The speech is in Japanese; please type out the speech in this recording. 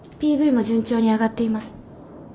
ＰＶも順調に上がっています。